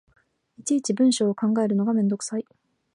いちいち文章を考えるのがめんどくさい